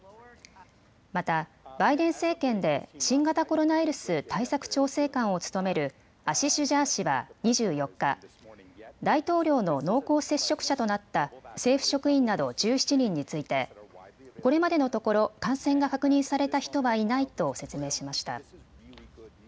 またバイデン政権で新型コロナウイルス対策調整官を務めるアシシュ・ジャー氏は２４日、大統領の濃厚接触者となった政府職員など１７人についてこれまでのところ感染が確認された人はいないと説明しました。